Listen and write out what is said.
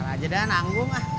bang berhenti dulu